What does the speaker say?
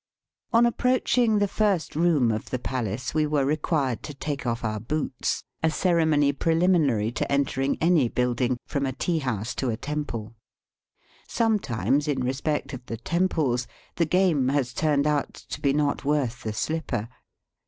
On approaching the first room of the palace we were required to take off our boots, a cere mony prehminary to entering any building. Digitized by VjOOQIC 68 EAST BY WEST. from a tea house to a temple. Sometimes, in respect of the temples, the game has turned out to be not worth the slipper.